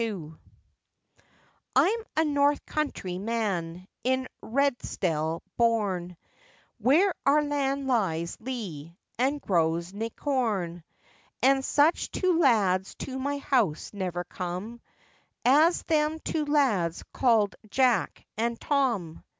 ii.] I'M a north countrie man, in Redesdale born, Where our land lies lea, and grows ne corn,— And such two lads to my house never com, As them two lads called Jack and Tom!